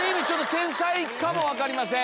天才かも分かりません。